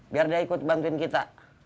biar dia ikut bantuin kita